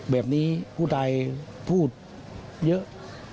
แบบนี้ผู้ใดพูดเยอะ